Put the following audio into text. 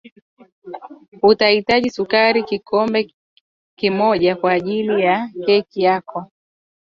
utahitaji sukari kikombe moja kwa ajili ya keki yako